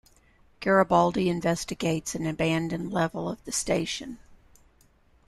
Garibaldi investigates an abandoned level of the station.